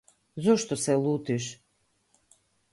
Зошто се лутиш?